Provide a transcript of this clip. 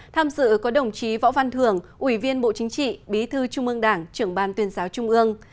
tham dự có đồng chí võ văn thường ủy viên bộ chính trị bí thư trung ương đảng trưởng ban tuyên giáo trung ương